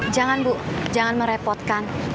jangan bu jangan merepotkan